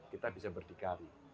kita bisa berdikari